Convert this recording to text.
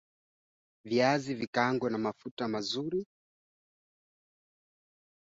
Mifugo ambayo haijaambukizwa ikipelekwa kwenye eneo lilioathirika hupata ugonjwa wa mkojo damu